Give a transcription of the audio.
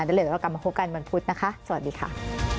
เตอร์สวัสดีครับ